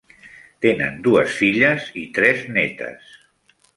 Tenen dues filles i tres netes.